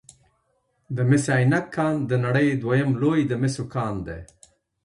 د مس عینک کان د نړۍ دویم لوی د مسو کان دی